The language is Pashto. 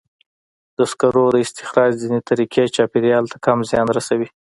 د سکرو د استخراج ځینې طریقې چاپېریال ته کم زیان رسوي.